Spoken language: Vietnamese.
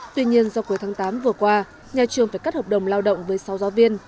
tuy nhiên do cuối tháng tám vừa qua nhà trường phải cắt hợp đồng lao động với sáu giáo viên